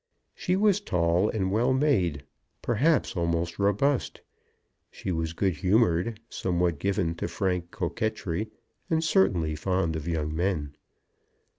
She was tall, and well made, perhaps almost robust. She was good humoured, somewhat given to frank coquetry, and certainly fond of young men.